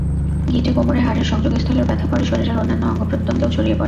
গিঁটে, কোমরে, হাড়ের সংযোগস্থলের ব্যথা পরে শরীরের অন্যান্য অঙ্গপ্রত্যঙ্গেও ছড়িয়ে পড়ে।